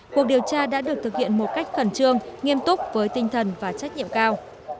cuộc điều tra đã được thực hiện một cách khẩn trương nghiêm túc với tinh thần và trách nhiệm cao